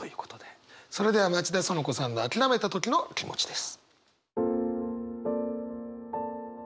それでは町田そのこさんの諦めた時の気持ちです。